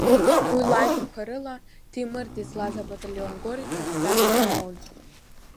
Уи лажәақәа рыла, Ҭемыр дызлаз абаталион Горец ахьтәаз дцалон.